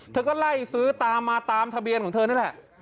เธอก็ไล่ซื้อตามมาตามทะเบียนของเธอนั่นแหละ